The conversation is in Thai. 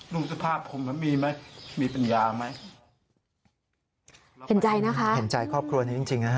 สภาพผมแล้วมีไหมมีปัญญาไหมเห็นใจนะคะเห็นใจครอบครัวนี้จริงจริงนะฮะ